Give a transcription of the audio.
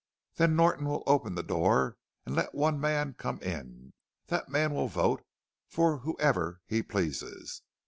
Then Norton will open the door and let one man come in. That man will vote for whoever he pleases.